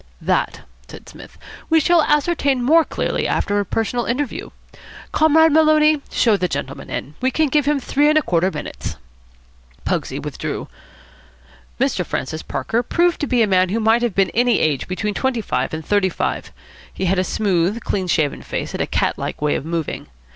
"That," said Psmith, "we shall ascertain more clearly after a personal interview. Comrade Maloney, show the gentleman in. We can give him three and a quarter minutes." Pugsy withdrew. Mr. Francis Parker proved to be a man who might have been any age between twenty five and thirty five. He had a smooth, clean shaven face, and a cat like way of moving.